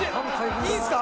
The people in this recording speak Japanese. いいんですか？